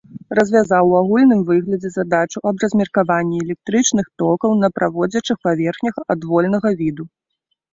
Развязаў у агульным выглядзе задачу аб размеркаванні электрычных токаў на праводзячых паверхнях адвольнага віду.